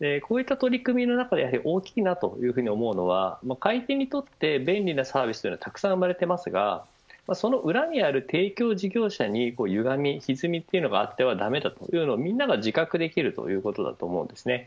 こういった取り組みで大きいのは買い手にとって便利なサービスはたくさん生まれていますがその裏にある提供事業者に歪み、ひずみがあっては駄目だということこれを皆んなが自覚できることだと思います。